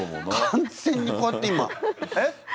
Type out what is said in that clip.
完全にこうやって今「えっ？」て。